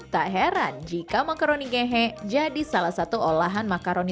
tak heran jika makaroni gehe jadi salah satu olahan makaroni